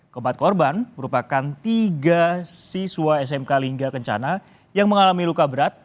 keempat korban merupakan tiga siswa smk lingga kencana yang mengalami luka berat